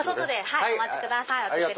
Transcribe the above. はいお待ちください。